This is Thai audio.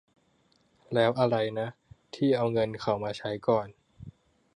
แล้วอะไรนะ ที่เอาเงินเขามาใช้ก่อน